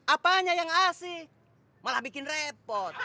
apanya yang asli malah bikin repot